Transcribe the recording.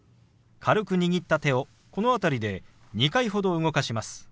軽く握った手をこの辺りで２回ほど動かします。